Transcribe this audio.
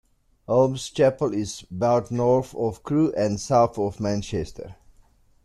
Holmes Chapel is about north of Crewe and south of Manchester.